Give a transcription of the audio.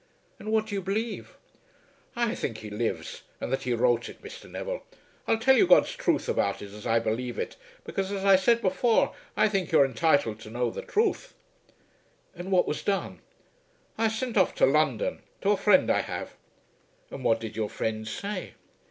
"And what do you believe?" "I think he lives, and that he wrote it, Mr. Neville. I'll tell you God's truth about it as I believe it, because as I said before, I think you are entitled to know the truth." "And what was done?" "I sent off to London, to a friend I have." "And what did your friend say?"